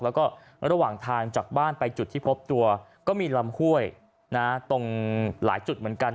แล้วก็ระหว่างทางจากบ้านไปจุดที่พบตัวก็มีลำห้วยตรงหลายจุดเหมือนกัน